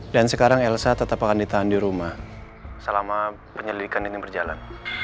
dan sekarang elsa tetap akan ditahan di rumah selama penyelidikan ini berjalan